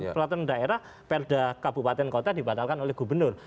peraturan daerah perda kabupaten kota dibatalkan oleh gubernur